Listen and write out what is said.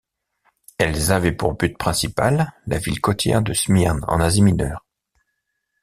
Elles avaient pour but principal la ville côtière de Smyrne en Asie Mineure.